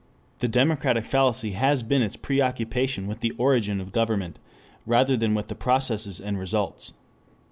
The democratic fallacy has been its preoccupation with the origin of government rather than with the processes and results.